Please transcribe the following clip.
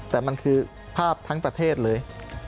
แต่มันคือภาพทั้งประเทศเลย